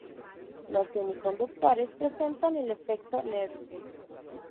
Los semiconductores presentan el efecto Nernst.